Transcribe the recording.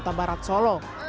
di jawa tengah